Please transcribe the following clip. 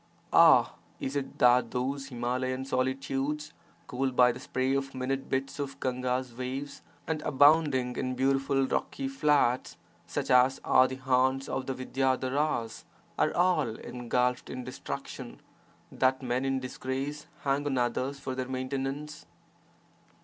Ah! is it that those Himalayan solitudes, cooled by the spray of minute bits of Gahga's waves and abounding in beautiful rocky flats such as are the haunts of the Vidyadharas, are all engulfed in destruction, that men in disgrace hang on others for their maintenance?